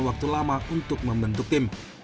waktu lama untuk membentuk tim